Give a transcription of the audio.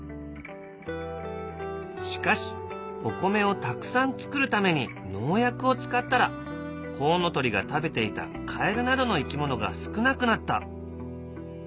しかしお米をたくさん作るために農薬を使ったらコウノトリが食べていたカエルなどの生き物が少なくなった。